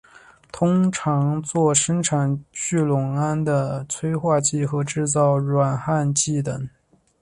通常作生产聚酰胺的催化剂和制造软焊剂等。